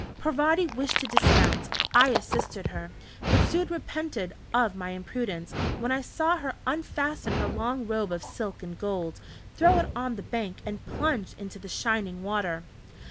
Parvati wished to dismount; I assisted her but soon repented of my imprudence, when I saw her unfasten her long robe of silk and gold, throw it on the bank, and plunge into the shining water....